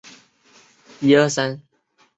王剑钻石还将运送货物和人员至低地球轨道。